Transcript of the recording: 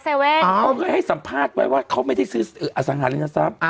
เขาเคยให้สัมภาษณ์ไว้ว่าเขาไม่ได้ซื้ออสังหารินทรัพย์